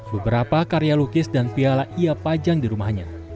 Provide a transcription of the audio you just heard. beberapa karya lukis dan piala ia pajang di rumahnya